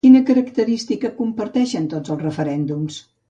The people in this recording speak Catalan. Quina característica comparteixen tots els referèndums?